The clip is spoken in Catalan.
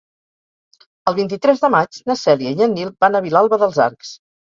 El vint-i-tres de maig na Cèlia i en Nil van a Vilalba dels Arcs.